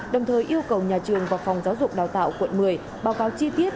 đồng thời yêu cầu nhà trường và phòng giáo dục đào tạo quận một mươi báo cáo chi tiết